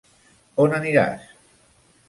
On aniràs?